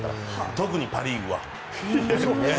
特にパ・リーグはね。